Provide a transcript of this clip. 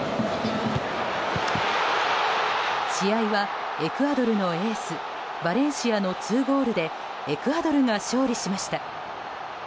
試合はエクアドルのエースバレンシアの２ゴールでエクアドルが勝利しました。